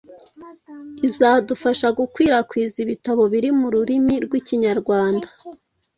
izadufasha gukwirakwiza ibitabo biri mu rurimi rw’ikinyarwanda